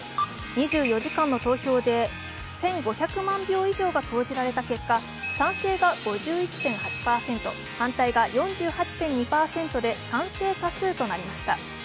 ２４時間の投票で、１５００万票以上が投じられた結果賛成が５１．８％、反対が４８．２％で賛成多数となりました。